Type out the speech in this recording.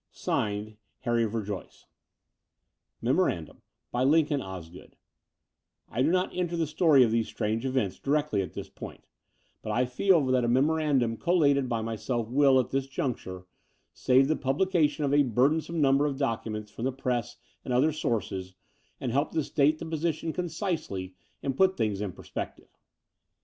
(Signed) Harry Verjoyce. MEMORANDUM By Lincoln Osgood I do not enter the story of these strange events directly at this point, but I feel that a memoran 3 34 The Door of the Unreal dum oollated by myself will, at this juncture, save the publication of a burdensome number of docu ments from the press and other sources, and help to state the position concisely and put things in perspective.